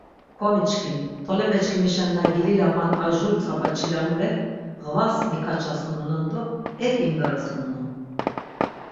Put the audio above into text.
Komiçkin, tolepe çkimişen na gililapan ar jur tzap̌a çilamurek ğvas mikaçasunonan do ek imgarasunonan.